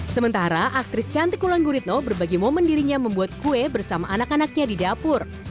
sementara aktris cantik ulang guritno berbagi momen dirinya membuat kue bersama anak anaknya di dapur